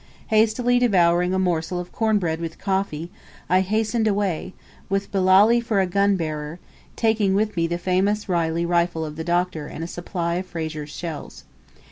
Hastily devouring a morsel of corn bread with coffee, I hastened away, with Bilali for a gunbearer, taking with me the famous Reilly rifle of the Doctor and a supply of Fraser's shells.